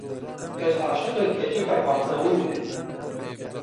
Ez aşiqê keçika Barzanî me!